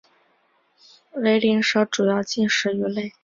瘰鳞蛇主要进食鱼类。